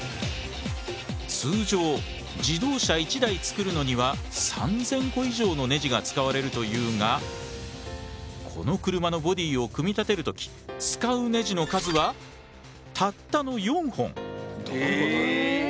通常自動車１台作るのには３，０００個以上のねじが使われるというがこの車のボディーを組み立てる時使うねじの数はたったの４本。え。